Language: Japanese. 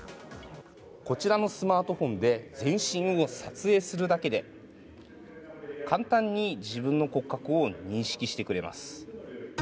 こちらのスマートフォンで全身を撮影するだけで簡単に自分の骨格を認識してくれます。